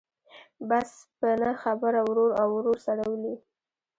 بس په نه خبره ورور او ورور سره ولي.